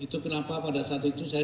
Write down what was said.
itu kenapa pada saat itu saya